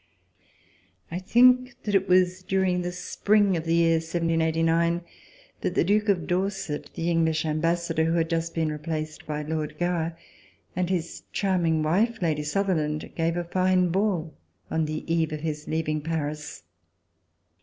I think that It was during the spring of the year 1789 that the Duke of Dorset, the English Am bassador, who had just been replaced by Lord Gower and his charming wife. Lady Sutherland, gave a fine ball on the eve of his leaving Paris.